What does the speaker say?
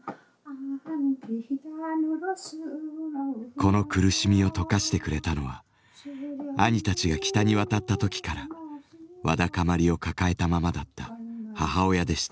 この苦しみをとかしてくれたのは兄たちが北に渡った時からわだかまりを抱えたままだった母親でした。